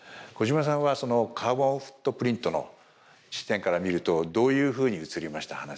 小嶋さんはカーボンフットプリントの視点から見るとどういうふうに映りました？